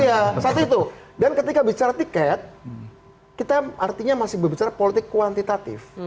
iya satu itu dan ketika bicara tiket kita artinya masih berbicara politik kuantitatif